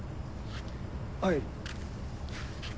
はい。